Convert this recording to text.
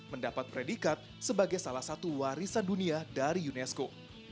mendapat predikat sebagai salah satu warisan dunia dari unesco